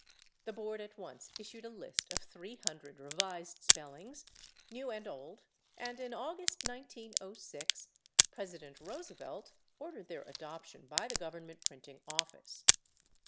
The board at once issued a list of 300 revised spellings, new and old, and in August, 1906, President Roosevelt ordered their adoption by the Government Printing Office.